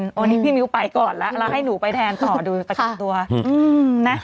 วันนี้พี่มิ้วไปก่อนแล้วแล้วให้หนูไปแทนต่อดูประกันตัวนะ